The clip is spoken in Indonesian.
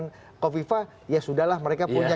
bukofifa ya sudah lah mereka punya